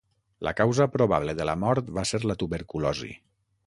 La causa probable de la mort va ser la tuberculosi.